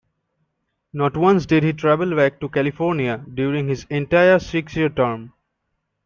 Not once did he travel back to California during his entire six-year term.